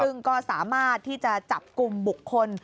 ซึ่งก็สามารถที่จะจับกลุ่มบุคคล